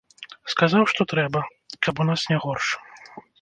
Сказаў, што трэба, каб у нас не горш.